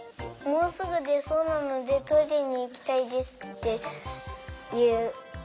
もうすぐでそうなのでトイレにいきたいですっていう。